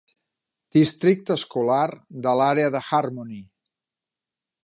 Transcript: Districte escolar de l'àrea de Harmony